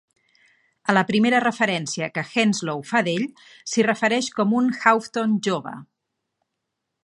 A la primera referència que Henslowe fa d'ell s'hi refereix com un Haughton "jove".